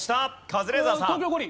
カズレーザーさん。